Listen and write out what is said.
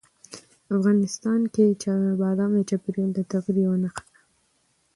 افغانستان کې بادام د چاپېریال د تغیر یوه نښه ده.